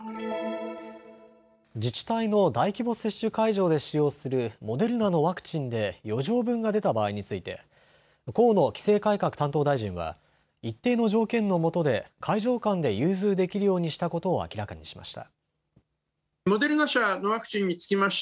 自治体の大規模接種会場で使用するモデルナのワクチンで余剰分が出た場合について河野規制改革担当大臣は一定の条件の下で会場間で融通できるようにしたことを明らかにしました。